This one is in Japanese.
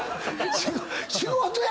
仕事や！